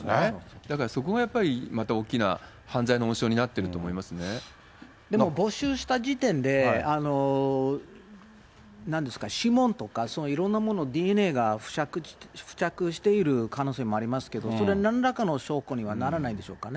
だからそこがやっぱりまた大きな犯罪の温床になってると思いでも没収した時点で指紋とか、いろんなもの、ＤＮＡが付着している可能性もありますけど、それ、なんらかの証拠にはならないんでしょうかね。